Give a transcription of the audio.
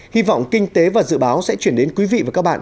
hy vọng kinh tế và dự báo sẽ chuyển đến quý vị và các bạn